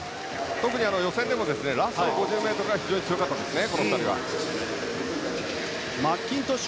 特に予選でもラストの５０ｍが非常に強かったですね